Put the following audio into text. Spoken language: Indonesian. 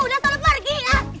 udah selalu pergi